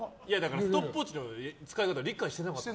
ストップウォッチの使い方理解してなかった。